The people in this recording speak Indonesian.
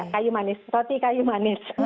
kayu manis roti kayu manis